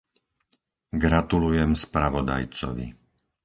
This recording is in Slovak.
Gratulujem spravodajcovi.